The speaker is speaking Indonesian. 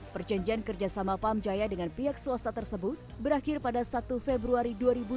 perjanjian kerjasama pam jaya dengan pihak swasta tersebut berakhir pada satu februari dua ribu dua puluh